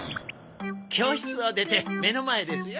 教室を出て目の前ですよ。